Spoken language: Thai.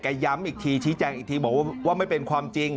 ย้ำอีกทีชี้แจงอีกทีบอกว่าไม่เป็นความจริง